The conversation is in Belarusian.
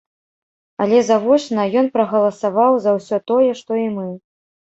Але завочна ён прагаласаваў за ўсё тое, што і мы.